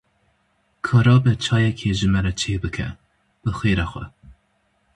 Ka rabe çayekê ji me re çêbike, bi xêra xwe.